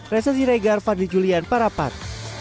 resenzi regar fadli julian parapan